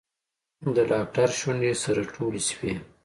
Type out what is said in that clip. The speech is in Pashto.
د ډاکتر شونډې سره ټولې شوې.